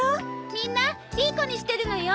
みんないい子にしてるのよ。